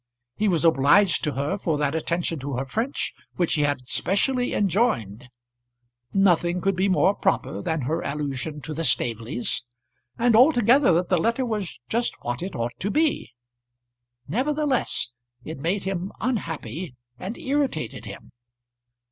He was obliged to her for that attention to her French which he had specially enjoined. Nothing could be more proper than her allusion to the Staveleys; and altogether the letter was just what it ought to be. Nevertheless it made him unhappy and irritated him.